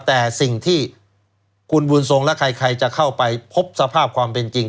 แต่สิ่งที่คุณบุญทรงและใครจะเข้าไปพบสภาพความเป็นจริง